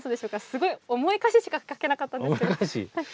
すごい重い歌詞しか書けなかったんですけど。